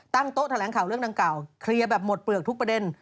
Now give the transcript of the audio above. โต๊ะแถลงข่าวเรื่องดังกล่าวเคลียร์แบบหมดเปลือกทุกประเด็น